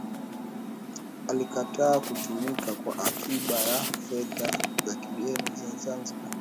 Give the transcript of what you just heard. Alikataa kutumika kwa akiba ya fedha za kigeni za Zanzibar